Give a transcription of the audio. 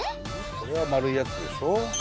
これは丸いやつでしょ。